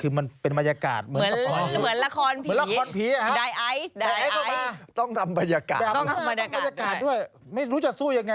อืมเปลี่ยนตัวใหม่นะ